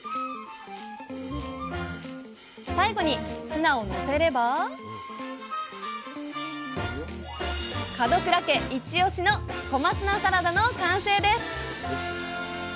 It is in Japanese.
最後にツナをのせれば門倉家イチオシの「小松菜サラダ」の完成です！